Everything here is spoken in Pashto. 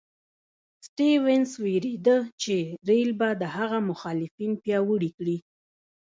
سټیونز وېرېده چې رېل به د هغه مخالفین پیاوړي کړي.